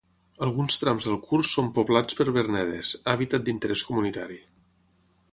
Alguns trams del curs són poblats per vernedes, hàbitat d'interés comunitari.